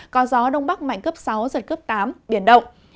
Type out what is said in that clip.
có gió đông bắc mạnh cấp sáu giật cấp tám biển động